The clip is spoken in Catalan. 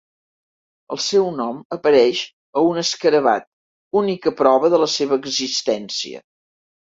El seu nom apareix a un escarabat, única prova de la seva existència.